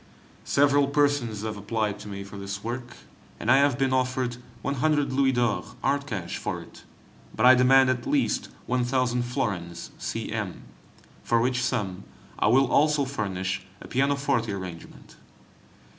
Several persons have applied to me for this work, and I have been offered 100 Louis d'or, hard cash, for it; but I demand at least 1000 florins C.M. [20 florins to the mark], for which sum I will also furnish a pianoforte arrangement.